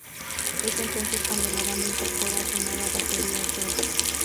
Es entonces cuando la banda incorpora a su nuevo batería, Jordi.